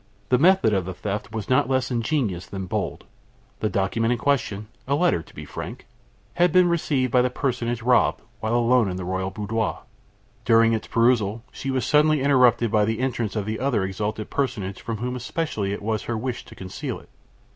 The method of the theft was not less ingenious than bold. The document in question a letter, to be frank had been received by the personage robbed while alone in the royal boudoir. During its perusal she was suddenly interrupted by the entrance of the other exalted personage from whom especially it was her wish to conceal it.